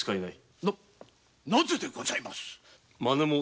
なぜでございますか？